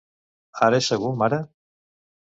Ara és segur, mare?